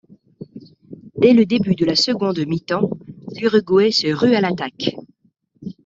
Dès le début de la seconde mi-temps, l'Uruguay se rue à l'attaque.